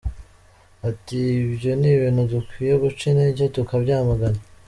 Ati ‘‘Ibyo ni ibintu dukwiye guca intege, tukabyamagana.